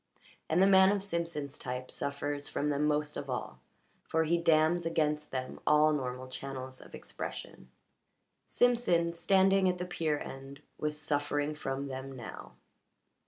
And the man of Simpson's type suffers from them most of all, for he dams against them all normal channels of expression. Simpson, standing at the pier end, was suffering from them now.